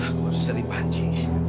aku harus jadi panci